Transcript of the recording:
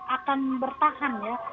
akan bertahan ya